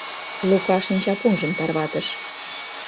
Лука шинчапунжым тарватыш.